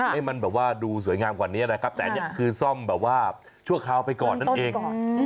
ให้มันแบบว่าดูสวยงามกว่านี้นะครับแต่อันนี้คือซ่อมแบบว่าชั่วคราวไปก่อนนั่นเอง